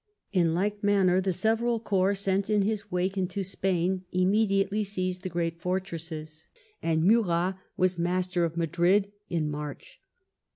In like manner the several corps sent in his wake into Spain immediately seized the great ' fortresses, and Murat was master of Madrid in March.